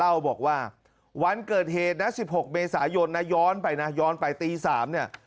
เล่าบอกว่าวันเกิดเหตุนะ๑๖เมษายนนะย้อนไปนะย้อนไปตี๓เนี่ย